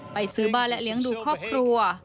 ซื้อบ้านและเลี้ยงดูครอบครัว